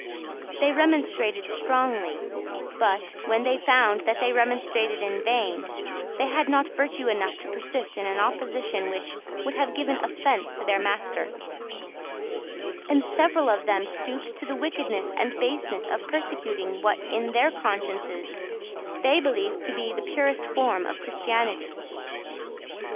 They remonstrated strongly: but, when they found that they remonstrated in vain, they had not virtue enough to persist in an opposition which would have given offence to their master; and several of them stooped to the wickedness and baseness of persecuting what in their consciences they believed to be the purest form of Christianity.